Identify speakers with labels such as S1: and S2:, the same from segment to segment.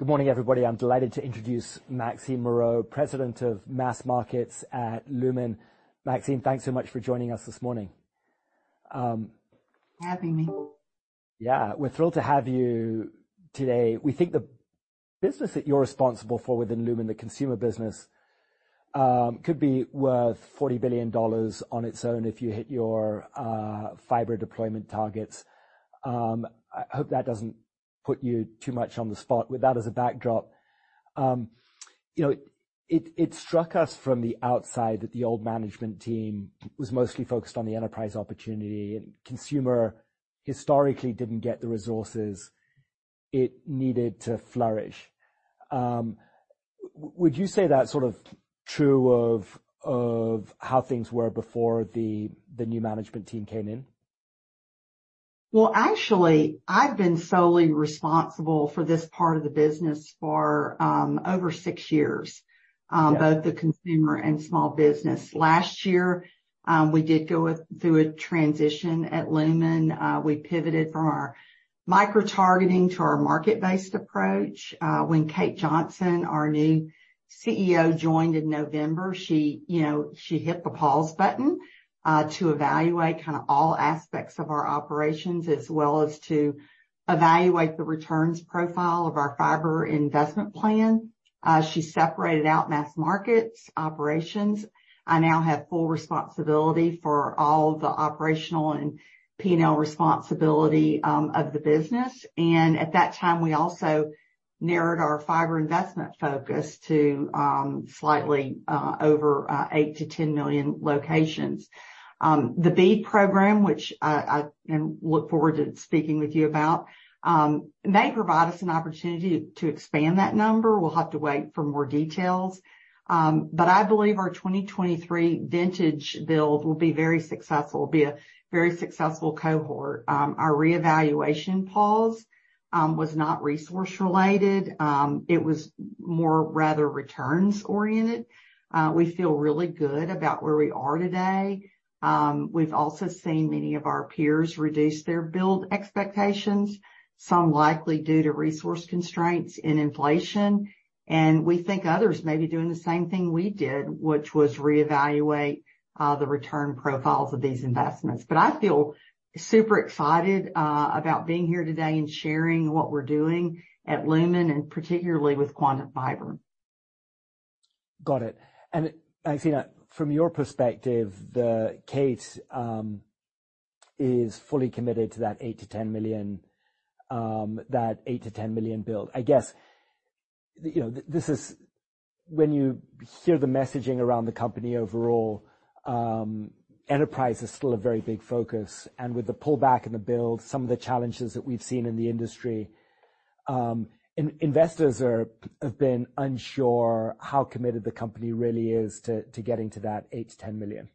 S1: Good morning, everybody. I'm delighted to introduce Maxine Moreau, President of Mass Markets at Lumen. Maxine, thanks so much for joining us this morning.
S2: Thanks for having me.
S1: Yeah, we're thrilled to have you today. We think the business that you're responsible for within Lumen, the Consumer business, could be worth $40 billion on its own if you hit your fiber deployment targets. I hope that doesn't put you too much on the spot. With that as a backdrop, you know, it struck us from the outside that the old management team was mostly focused on the enterprise opportunity, and Consumer historically didn't get the resources it needed to flourish. Would you say that sort of true of how things were before the new management team came in?
S2: Well, actually, I've been solely responsible for this part of the business for over six years.
S1: Yeah.
S2: Both the Consumer and Small business. Last year, we did go through a transition at Lumen. We pivoted from our micro-targeting to our market-based approach. When Kate Johnson, our new CEO, joined in November, she, you know, she hit the pause button to evaluate kind of all aspects of our operations, as well as to evaluate the returns profile of our fiber investment plan. She separated out Mass Markets operations. I now have full responsibility for all the operational and P&L responsibility of the business. At that time, we also narrowed our fiber investment focus to slightly over 8 million-10 million locations. The BEAD program, which I and look forward to speaking with you about, may provide us an opportunity to expand that number. We'll have to wait for more details. I believe our 2023 vintage build will be very successful, be a very successful cohort. Our reevaluation pause was not resource-related. It was more rather returns-oriented. We feel really good about where we are today. We've also seen many of our peers reduce their build expectations, some likely due to resource constraints and inflation. We think others may be doing the same thing we did, which was reevaluate the return profiles of these investments. I feel super excited about being here today and sharing what we're doing at Lumen, and particularly with Quantum Fiber.
S1: Got it. Maxine, from your perspective, Kate, is fully committed to that 8 million-10 million, that 8 million-10 million build. I guess, you know, this is when you hear the messaging around the company overall, enterprise is still a very big focus, and with the pullback in the build, some of the challenges that we've seen in the industry, investors are, have been unsure how committed the company really is to getting to that 8 million-10 million.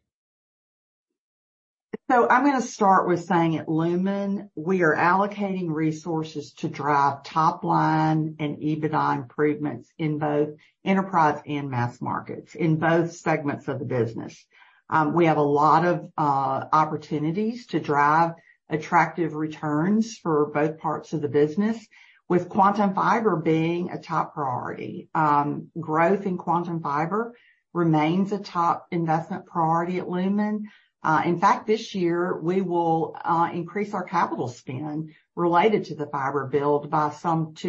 S2: I'm gonna start with saying at Lumen, we are allocating resources to drive top line and EBITDA improvements in both enterprise and Mass Markets, in both segments of the business. We have a lot of opportunities to drive attractive returns for both parts of the business, with Quantum Fiber being a top priority. Growth in Quantum Fiber remains a top investment priority at Lumen. In fact, this year, we will increase our capital spend related to the fiber build by some $200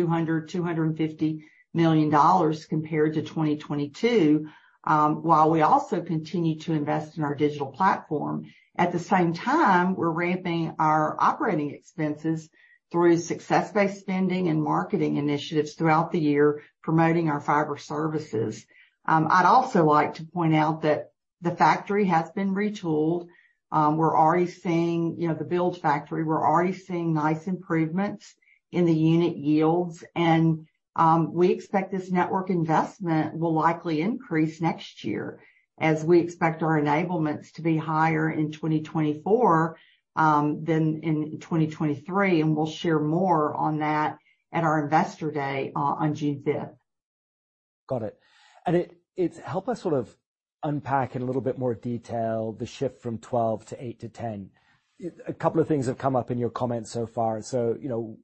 S2: million-$250 million compared to 2022, while we also continue to invest in our digital platform. At the same time, we're ramping our operating expenses through success-based spending and marketing initiatives throughout the year, promoting our fiber services. I'd also like to point out that the factory has been retooled. We're already seeing, you know, the build factory, we're already seeing nice improvements in the unit yields, and we expect this network investment will likely increase next year as we expect our enablements to be higher in 2024 than in 2023, and we'll share more on that at our Investor Day on June 5th.
S1: Got it. It help us sort of unpack in a little bit more detail the shift from 12 to 8 to 10. A couple of things have come up in your comments so far. You know,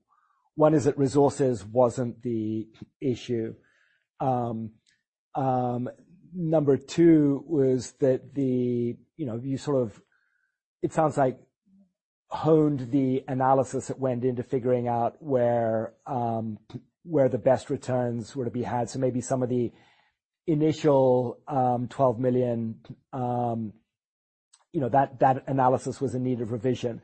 S1: one is that resources wasn't the issue. Number two was that You know, you sort of, it sounds like, honed the analysis that went into figuring out where the best returns were to be had. Maybe some of the initial 12 million, you know, that analysis was in need of revision.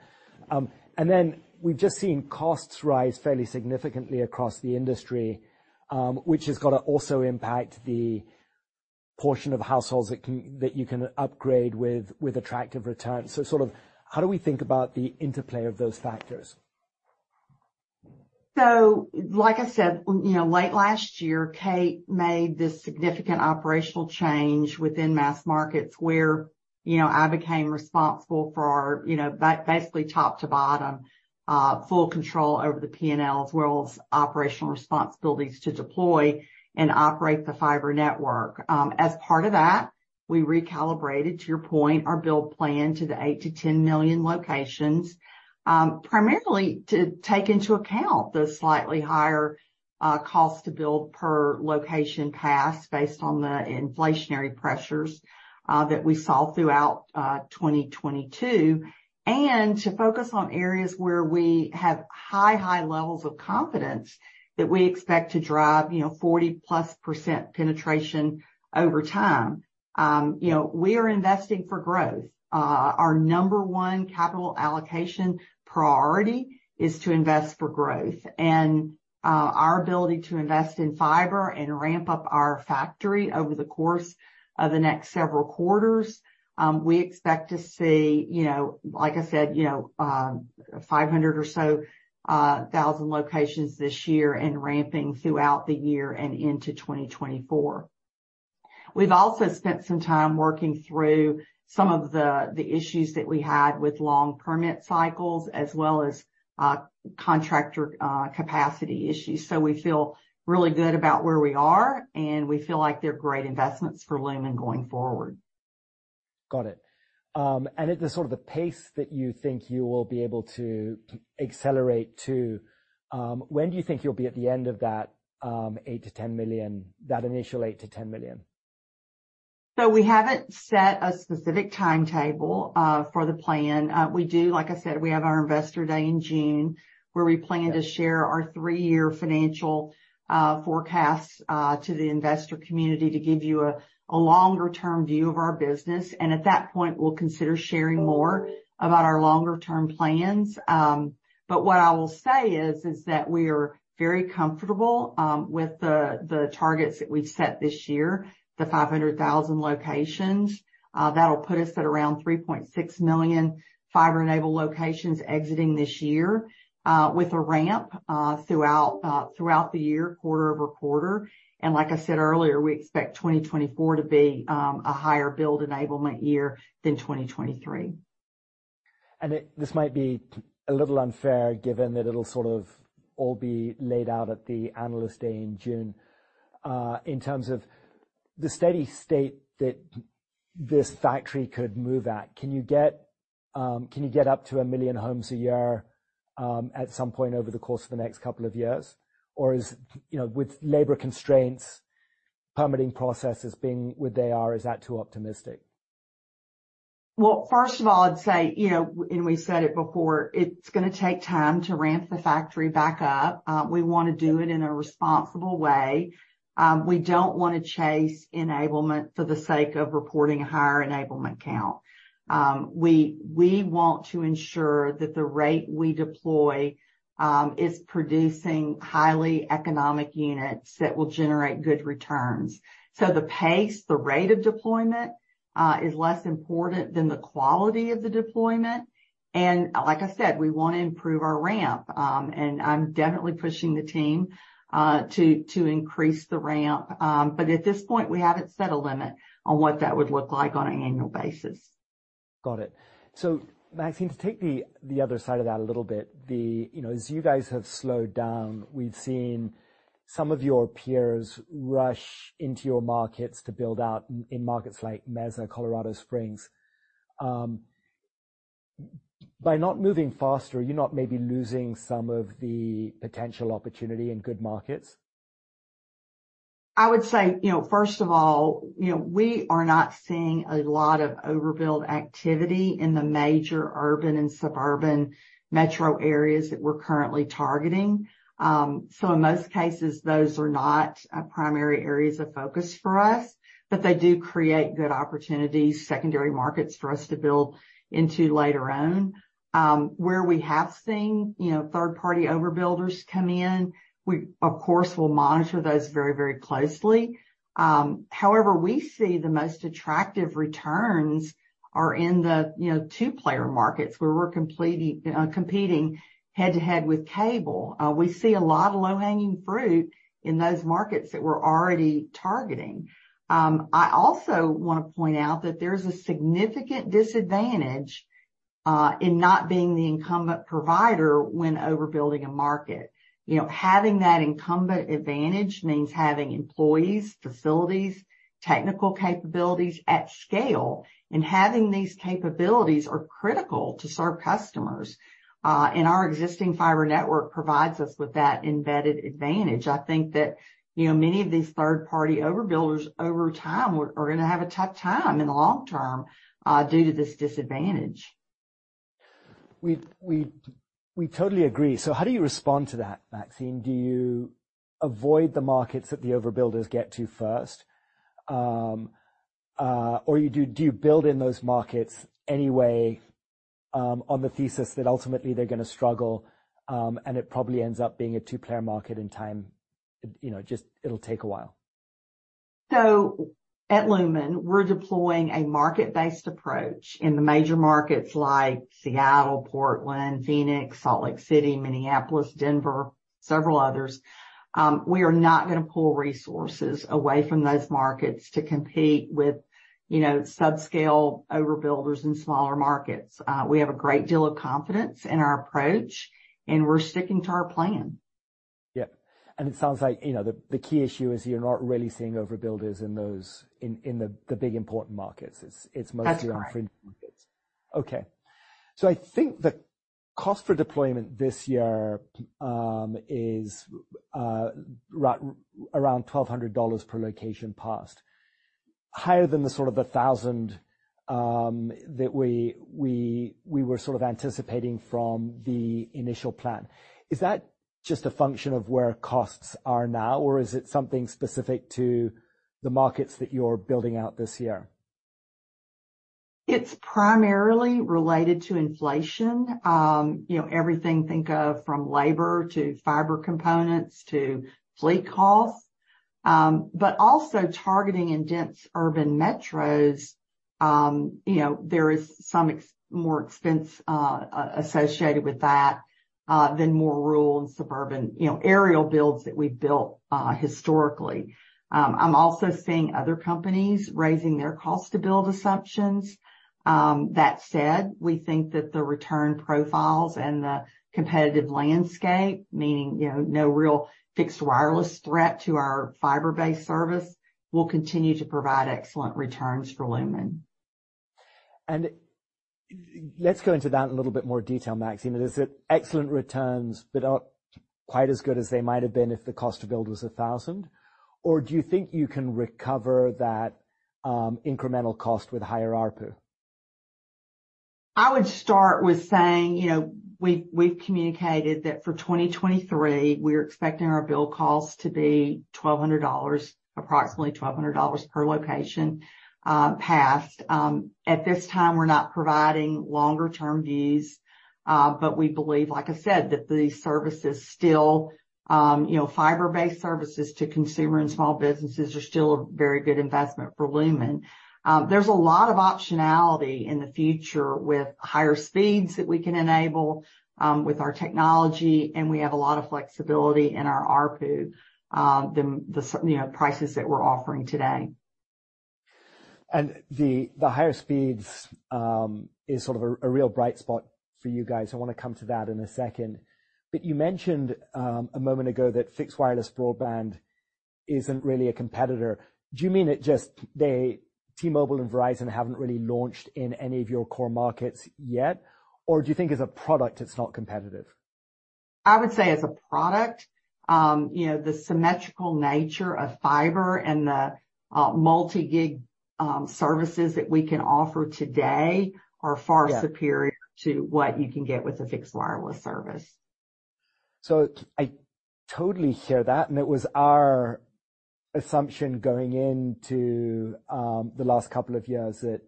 S1: We've just seen costs rise fairly significantly across the industry, which has got to also impact the portion of households that can, that you can upgrade with attractive returns. Sort of how do we think about the interplay of those factors?
S2: Like I said, you know, late last year, Kate made this significant operational change within Mass Markets where, you know, I became responsible for, you know, basically top to bottom, full control over the P&L as well as operational responsibilities to deploy and operate the fiber network. As part of that, we recalibrated, to your point, our build plan to the 8 million-10 million locations, primarily to take into account the slightly higher cost to build per location passed based on the inflationary pressures that we saw throughout 2022, and to focus on areas where we have high levels of confidence that we expect to drive, you know, 40%+ penetration over time. You know, we are investing for growth. Our number one capital allocation priority is to invest for growth. Our ability to invest in fiber and ramp up our factory over the course of the next several quarters, we expect to see, you know, like I said, you know, 500 or so thousand locations this year and ramping throughout the year and into 2024. We've also spent some time working through some of the issues that we had with long permit cycles as well as contractor capacity issues. We feel really good about where we are, and we feel like they're great investments for Lumen going forward.
S1: Got it. At the sort of the pace that you think you will be able to accelerate to, when do you think you'll be at the end of that, $8 million-$10 million, that initial $8 million-$10 million?
S2: We haven't set a specific timetable for the plan. Like I said, we have our Investor Day in June, where we plan to share our three-year financial forecasts to the investor community to give you a longer-term view of our business. At that point, we'll consider sharing more about our longer-term plans. What I will say is that we are very comfortable with the targets that we've set this year, the 500,000 locations. That'll put us at around 3.6 million fiber-enabled locations exiting this year with a ramp throughout the year, quarter-over-quarter. Like I said earlier, we expect 2024 to be a higher build enablement year than 2023.
S1: This might be a little unfair, given that it'll sort of all be laid out at the Investor Day in June. In terms of the steady state that this factory could move at, can you get up to 1 million homes a year, at some point over the course of the next couple of years? Or is, you know, with labor constraints, permitting processes being what they are, is that too optimistic?
S2: Well, first of all, I'd say, you know, we said it before, it's gonna take time to ramp the factory back up. We wanna do it in a responsible way. We don't wanna chase enablement for the sake of reporting a higher enablement count. We want to ensure that the rate we deploy is producing highly economic units that will generate good returns. The pace, the rate of deployment is less important than the quality of the deployment. Like I said, we wanna improve our ramp. And I'm definitely pushing the team to increase the ramp. At this point, we haven't set a limit on what that would look like on an annual basis.
S1: Got it. Maxine, to take the other side of that a little bit, You know, as you guys have slowed down, we've seen some of your peers rush into your markets to build out in markets like Mesa, Colorado Springs. By not moving faster, are you not maybe losing some of the potential opportunity in good markets?
S2: I would say, you know, first of all, you know, we are not seeing a lot of overbuild activity in the major urban and suburban metro areas that we're currently targeting. In most cases, those are not primary areas of focus for us, but they do create good opportunities, secondary markets for us to build into later on. Where we have seen, you know, third-party overbuilders come in, we, of course, will monitor those very, very closely. However, we see the most attractive returns are in the, you know, two-player markets, where we're competing head-to-head with cable. We see a lot of low-hanging fruit in those markets that we're already targeting. I also wanna point out that there's a significant disadvantage in not being the incumbent provider when overbuilding a market. You know, having that incumbent advantage means having employees, facilities, technical capabilities at scale, and having these capabilities are critical to serve customers. Our existing fiber network provides us with that embedded advantage. I think that, you know, many of these third-party overbuilders over time are gonna have a tough time in the long term, due to this disadvantage.
S1: We totally agree. How do you respond to that, Maxine? Do you avoid the markets that the overbuilders get to first? Or do you build in those markets anyway, on the thesis that ultimately they're gonna struggle, and it probably ends up being a two-player market in time, you know, just it'll take a while?
S2: At Lumen, we're deploying a market-based approach in the major markets like Seattle, Portland, Phoenix, Salt Lake City, Minneapolis, Denver, several others. We are not gonna pull resources away from those markets to compete with, you know, subscale overbuilders in smaller markets. We have a great deal of confidence in our approach, and we're sticking to our plan.
S1: Yeah. It sounds like, you know, the key issue is you're not really seeing overbuilders in those in the big important markets. It's mostly...
S2: That's right.
S1: I think the cost for deployment this year, is around $1,200 per location passed, higher than the sort of $1,000, that we were sort of anticipating from the initial plan. Is that just a function of where costs are now, or is it something specific to the markets that you're building out this year?
S2: It's primarily related to inflation. You know, everything think of from labor to fiber components to fleet costs, but also targeting in dense urban metros, you know, there is some more expense associated with that than more rural and suburban, you know, aerial builds that we've built historically. I'm also seeing other companies raising their cost to build assumptions. That said, we think that the return profiles and the competitive landscape, meaning, you know, no real fixed wireless threat to our fiber-based service, will continue to provide excellent returns for Lumen.
S1: Let's go into that in a little bit more detail, Maxine. Is it excellent returns, but not quite as good as they might have been if the cost to build was $1,000? Do you think you can recover that incremental cost with higher ARPU?
S2: I would start with saying, you know, we've communicated that for 2023, we're expecting our build costs to be approximately $1,200 per location passed. At this time, we're not providing longer term views, but we believe, like I said, that the service is still, you know, fiber-based services to Consumer and Small businesses are still a very good investment for Lumen. There's a lot of optionality in the future with higher speeds that we can enable with our technology, and we have a lot of flexibility in our ARPU than the, you know, prices that we're offering today.
S1: The, the higher speeds is sort of a real bright spot for you guys. I wanna come to that in a second. You mentioned a moment ago that fixed wireless broadband isn't really a competitor. Do you mean T-Mobile and Verizon haven't really launched in any of your core markets yet? Or do you think as a product, it's not competitive?
S2: I would say as a product, you know, the symmetrical nature of fiber and the multi-gig services that we can offer today are far-
S1: Yeah.
S2: superior to what you can get with a fixed wireless service.
S1: I totally hear that. It was our assumption going into the last couple of years that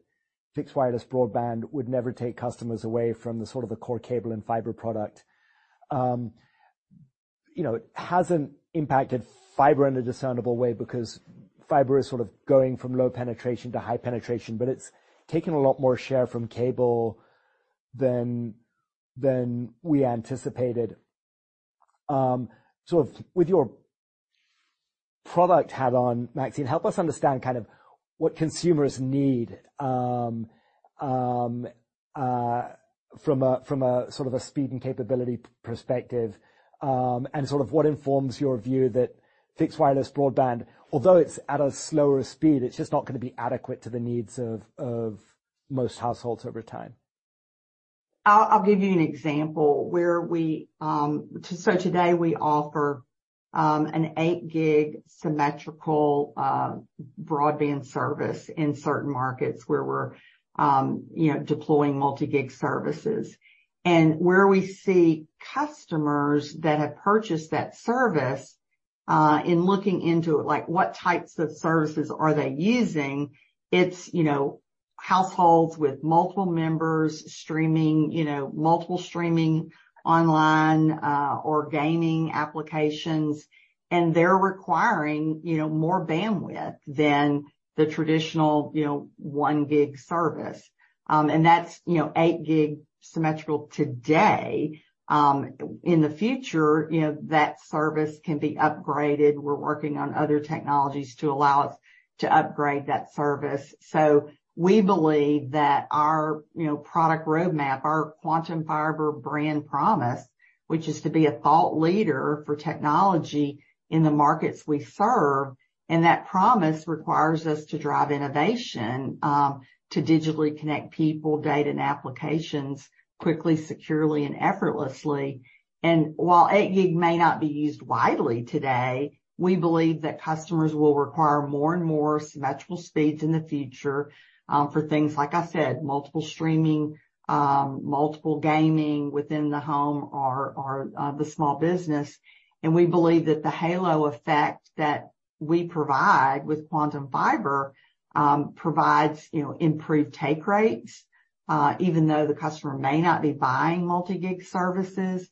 S1: fixed wireless broadband would never take customers away from the sort of the core cable and fiber product. You know, it hasn't impacted fiber in a discernible way because fiber is sort of going from low penetration to high penetration, but it's taken a lot more share from cable than we anticipated. With your product hat on, Maxine, help us understand kind of what consumers need from a sort of a speed and capability perspective, and sort of what informs your view that fixed wireless broadband, although it's at a slower speed, it's just not gonna be adequate to the needs of most households over time.
S2: I'll give you an example where we today offer an 8Gb symmetrical broadband service in certain markets where we're, you know, deploying multi-gig services. Where we see customers that have purchased that service, in looking into it, like what types of services are they using? It's, you know, households with multiple members streaming, you know, multiple streaming online, or gaming applications, and they're requiring, you know, more bandwidth than the traditional, you know, 1Gb service. That's, you know, 8Gb symmetrical today. In the future, you know, that service can be upgraded. We're working on other technologies to allow us to upgrade that service. We believe that our, you know, product roadmap, our Quantum Fiber brand promise, which is to be a thought leader for technology in the markets we serve, and that promise requires us to drive innovation to digitally connect people, data, and applications quickly, securely, and effortlessly. While 8Gb may not be used widely today, we believe that customers will require more and more symmetrical speeds in the future for things, like I said, multiple streaming, multiple gaming within the Home or the Small business. We believe that the halo effect that we provide with Quantum Fiber provides, you know, improved take rates. Even though the customer may not be buying multi-gig services,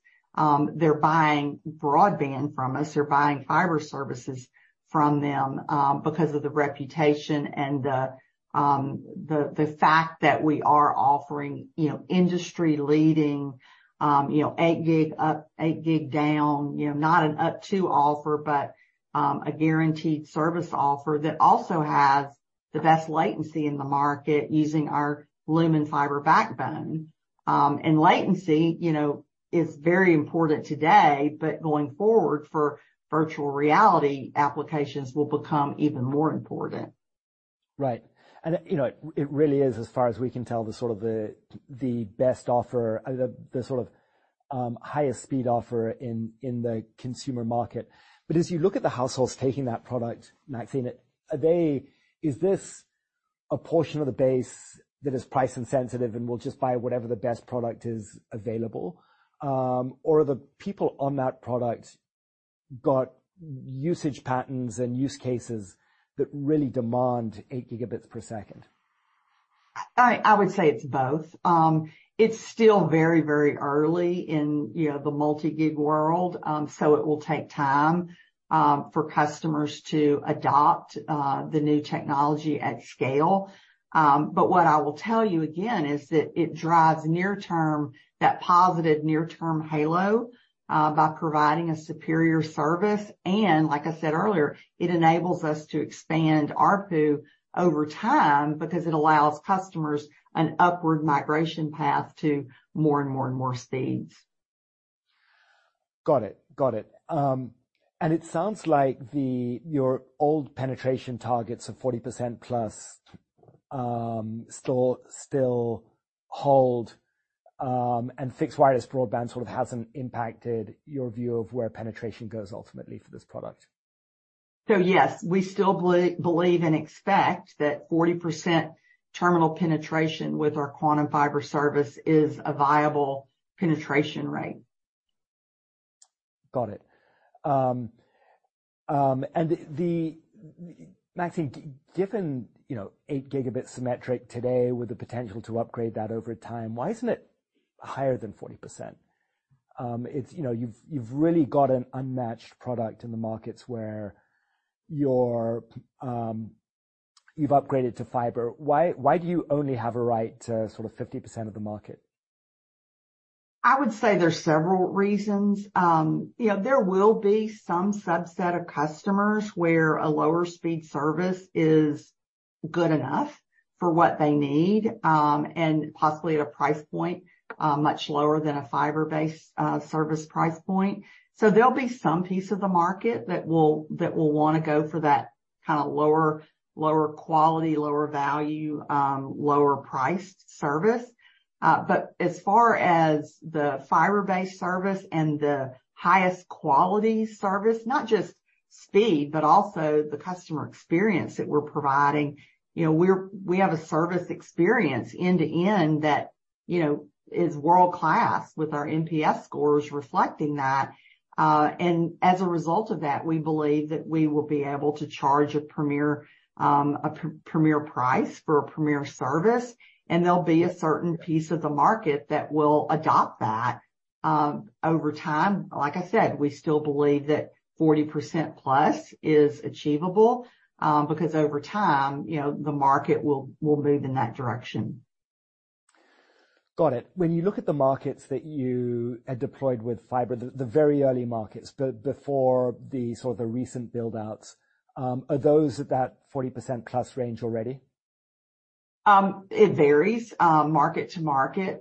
S2: they're buying broadband from us, they're buying fiber services from them, because of the reputation and the fact that we are offering, you know, industry-leading, you know, 8Gb up, 8Gb down, you know, not an up to offer, but a guaranteed service offer that also has the best latency in the market using our Lumen fiber backbone. Latency, you know, is very important today, but going forward for virtual reality applications will become even more important.
S1: Right. You know, it really is, as far as we can tell, the sort of the best offer, the sort of highest speed offer in the Consumer market. As you look at the households taking that product, Maxine, is this a portion of the base that is price insensitive and will just buy whatever the best product is available? Are the people on that product got usage patterns and use cases that really demand 8Gb per second?
S2: I would say it's both. It's still very, very early in, you know, the multi-gig world, so it will take time for customers to adopt the new technology at scale. What I will tell you again is that it drives near term, that positive near-term halo, by providing a superior service. Like I said earlier, it enables us to expand ARPU over time because it allows customers an upward migration path to more and more and more speeds.
S1: Got it. It sounds like your old penetration targets of 40% plus, still hold, and fixed wireless broadband sort of hasn't impacted your view of where penetration goes ultimately for this product.
S2: Yes, we still believe and expect that 40% terminal penetration with our Quantum Fiber service is a viable penetration rate.
S1: Got it. Maxine, given, you know, 8Gb symmetric today with the potential to upgrade that over time, why isn't it higher than 40%? It's, you know, you've really got an unmatched product in the markets where you've upgraded to fiber. Why do you only have a right to sort of 50% of the market?
S2: I would say there's several reasons. You know, there will be some subset of customers where a lower speed service is good enough for what they need, and possibly at a price point much lower than a fiber-based service price point. There'll be some piece of the market that will wanna go for that kinda lower quality, lower value, lower priced service. As far as the fiber-based service and the highest quality service, not just speed, but also the customer experience that we're providing, you know, we have a service experience end to end that, you know, is world-class with our NPS scores reflecting that. As a result of that, we believe that we will be able to charge a premier, a premier price for a premier service, and there'll be a certain piece of the market that will adopt that over time. Like I said, we still believe that 40% plus is achievable, because over time, you know, the market will move in that direction.
S1: Got it. When you look at the markets that you had deployed with fiber, the very early markets before the sort of the recent build-outs, are those at that 40% plus range already?
S2: It varies, market to market.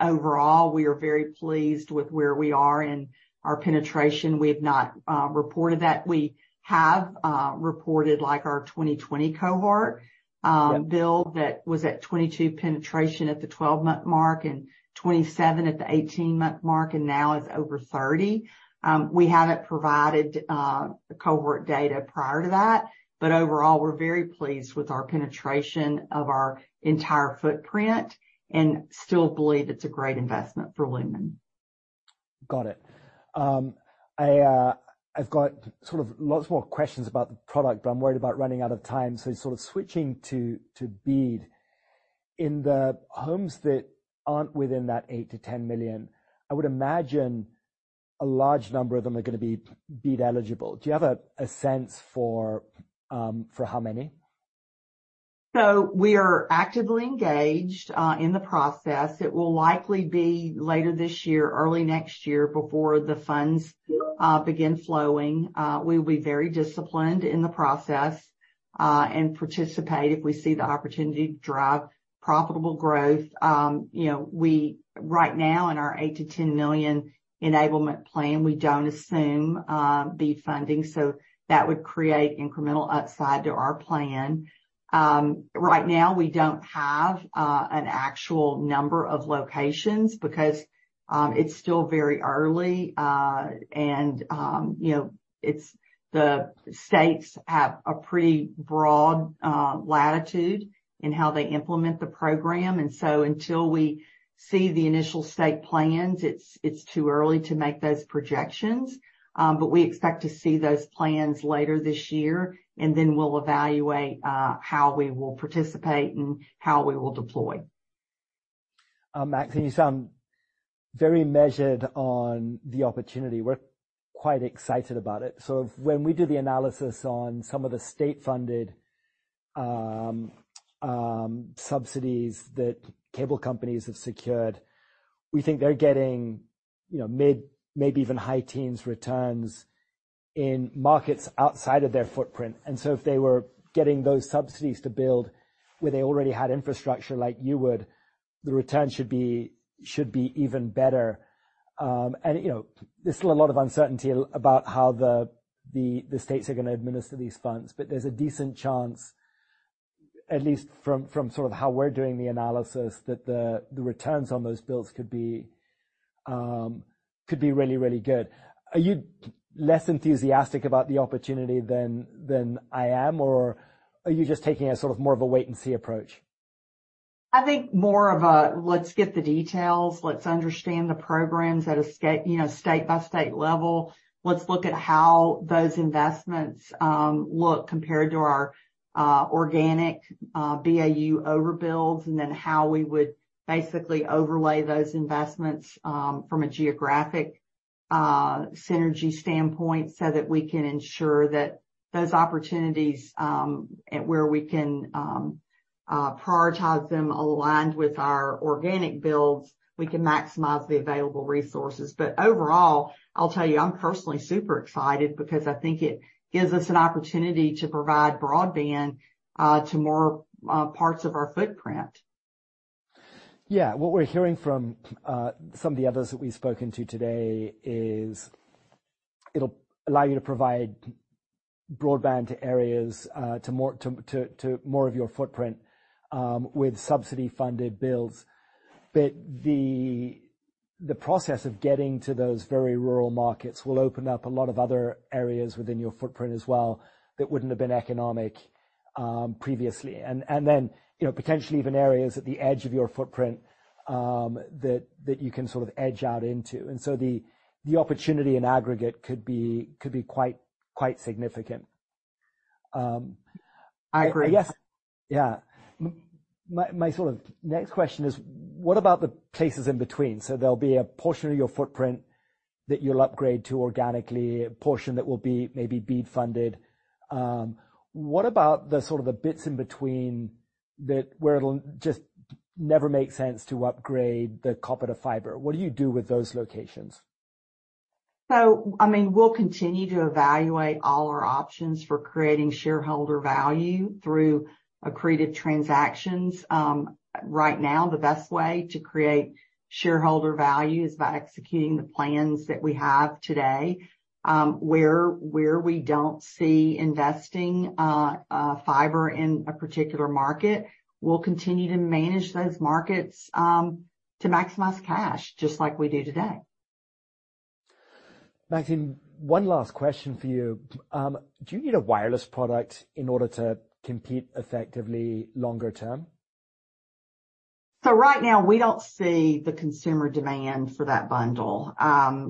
S2: Overall, we are very pleased with where we are in our penetration. We have not reported that. We have reported like our 2020 cohort build that was at 22 penetration at the 12-month mark and 27 at the 18-month mark, and now is over 30. We haven't provided the cohort data prior to that, overall, we're very pleased with our penetration of our entire footprint and still believe it's a great investment for Lumen.
S1: Got it. I've got sort of lots more questions about the product, but I'm worried about running out of time. Sort of switching to BEAD. In the homes that aren't within that 8 million-10 million, I would imagine a large number of them are gonna be BEAD eligible. Do you have a sense for how many?
S2: we are actively engaged in the process. It will likely be later this year, early next year before the funds begin flowing. we will be very disciplined in the process and participate if we see the opportunity to drive profitable growth. you know, right now in our 8 million-10 million enablement plan, we don't assume BEAD funding, so that would create incremental upside to our plan. right now we don't have an actual number of locations because it's still very early. you know, the states have a pretty broad latitude in how they implement the program, until we see the initial state plans, it's too early to make those projections. We expect to see those plans later this year, and then we'll evaluate how we will participate and how we will deploy.
S1: Maxine, you sound very measured on the opportunity. We're quite excited about it. When we do the analysis on some of the state-funded subsidies that cable companies have secured, we think they're getting, you know, maybe even high teens returns in markets outside of their footprint. If they were getting those subsidies to build where they already had infrastructure like you would, the return should be even better. You know, there's still a lot of uncertainty about how the states are gonna administer these funds, but there's a decent chance, at least from sort of how we're doing the analysis, that the returns on those bills could be really, really good. Are you less enthusiastic about the opportunity than I am, or are you just taking a sort of more of a wait and see approach?
S2: I think more of a let's get the details, let's understand the programs at a state, you know, state by state level. Let's look at how those investments look compared to our organic BAU overbuilds, and then how we would basically overlay those investments from a geographic synergy standpoint, so that we can ensure that those opportunities, where we can prioritize them aligned with our organic builds, we can maximize the available resources. Overall, I'll tell you, I'm personally super excited because I think it gives us an opportunity to provide broadband to more parts of our footprint.
S1: Yeah. What we're hearing from some of the others that we've spoken to today is it'll allow you to provide broadband to areas to more of your footprint with subsidy-funded builds. The process of getting to those very rural markets will open up a lot of other areas within your footprint as well that wouldn't have been economic previously. Then, you know, potentially even areas at the edge of your footprint that you can sort of edge out into. The opportunity in aggregate could be quite significant.
S2: I agree.
S1: Yes. Yeah. My sort of next question is: What about the places in between? There'll be a portion of your footprint that you'll upgrade to organically, a portion that will be maybe BEAD funded. What about the sort of the bits in between where it'll just never make sense to upgrade the copper to fiber? What do you do with those locations?
S2: I mean, we'll continue to evaluate all our options for creating shareholder value through accretive transactions. Right now, the best way to create shareholder value is by executing the plans that we have today. Where we don't see investing fiber in a particular market, we'll continue to manage those markets to maximize cash, just like we do today.
S1: Maxine, one last question for you. Do you need a wireless product in order to compete effectively longer term?
S2: Right now, we don't see the consumer demand for that bundle.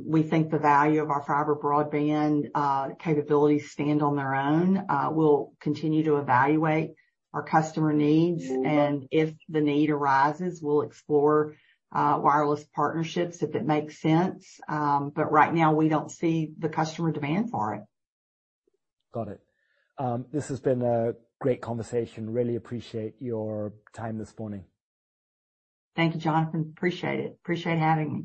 S2: We think the value of our fiber broadband capabilities stand on their own. We'll continue to evaluate our customer needs, and if the need arises, we'll explore wireless partnerships if it makes sense. Right now, we don't see the customer demand for it.
S1: Got it. This has been a great conversation. Really appreciate your time this morning.
S2: Thank you, Jonathan. Appreciate it. Appreciate having me.